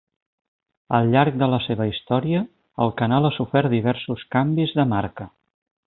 Al llarg de la seva història, el canal ha sofert diversos canvis de marca.